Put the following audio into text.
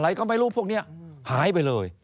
อะไรก็ไม่รู้พวกนี้หายไปเลย